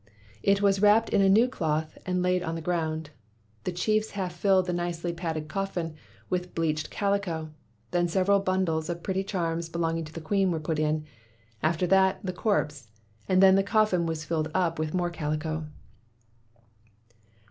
It was wrapped in a new cloth, and laid on the ground. The chiefs half filled the nicely padded coffin with bleached calico ; then sev eral bundles of petty charms belonging to the queen were put in; after that, the corpse; and then the coffin was filled up with more calico.